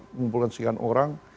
mengumpulkan sekian orang